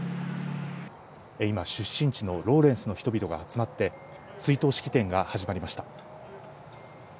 今、出身地のローレンスの人々が集まって、追悼式典が始まりました。